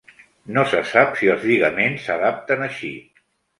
No se sap si els lligaments s'adapten així.